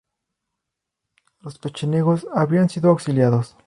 Los pechenegos habían sido auxiliados.